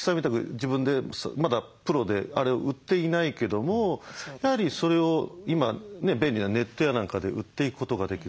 自分でまだプロであれ売っていないけどもやはりそれを今ね便利なネットや何かで売っていくことができる。